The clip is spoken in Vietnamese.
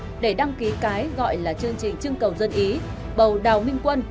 chính phủ đã đăng ký cái gọi là chương trình chương cầu dân ý bầu đào minh quân